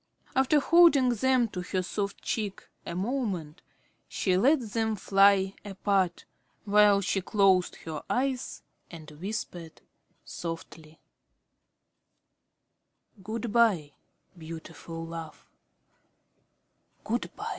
After holding them to her soft cheek a moment, she let them fly apart, while she closed her eyes and whispered softly: "Good by, beautiful love, good by."